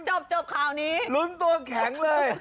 โอ้โหลุ้นตัวแข็งเลย